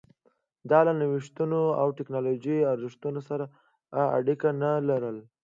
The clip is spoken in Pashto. دا له نوښتونو او ټکنالوژۍ ارزښتونو سره اړیکه نه لرله